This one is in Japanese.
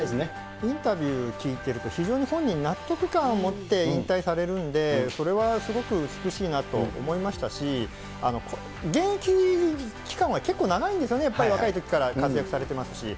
インタビュー聞いてると、非常に本人納得感を持って引退されるんで、それはすごく美しいなと思いましたし、現役期間は結構長いんですよね、やっぱり、若いときから活躍されてますし。